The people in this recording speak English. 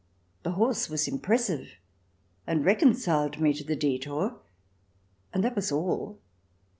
The horse was impres sive, and reconciled me to the detour, and that was all.